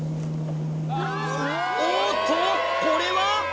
おっとこれは！？